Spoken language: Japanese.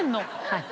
はい。